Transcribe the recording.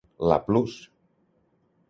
La Plus!